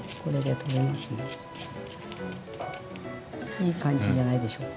いい感じじゃないでしょうか。